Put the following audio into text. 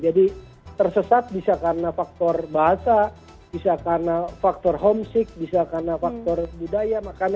jadi tersesat bisa karena faktor bahasa bisa karena faktor homesick bisa karena faktor budaya